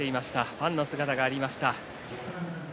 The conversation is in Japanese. ファンの姿がありました。